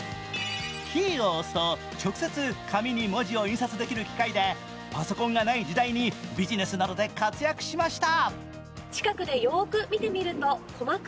キーを押すと直接紙に文字を印刷できる機械でパソコンがない時代にビジネスなどで活躍しました。